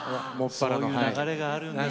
そういう流れがあるんですね。